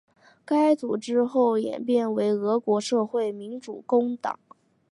该组织后来演变为俄国社会民主工党。